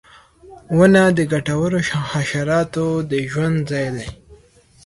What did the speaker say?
• ونه د ګټورو حشراتو د ژوند ځای دی.